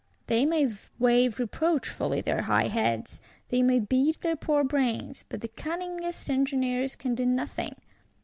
They may wave reproachfully their high heads; they may beat their poor brains; but the cunningest engineers can do nothing.